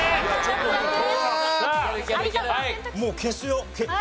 もう消すよ。